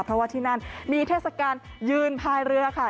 เพราะว่าที่นั่นมีเทศกาลยืนพายเรือค่ะ